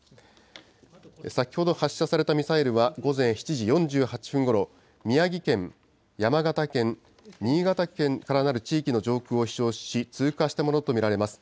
先ほど発射されたミサイルは、午前７時４８分ごろ、宮城県、山形県、新潟県からなる地域の上空を飛しょうし、通過したものと見られます。